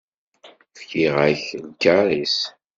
Fkiɣ-as lkaṛ-is.